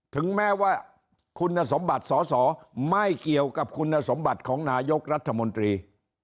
ถึงแม้ว่าคุณสมบัติสอสอไม่เกี่ยวกับคุณสมบัติของนายกรัฐมนตรี